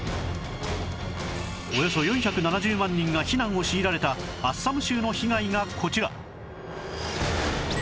およそ４７０万人が避難を強いられたアッサム州の被害がこちら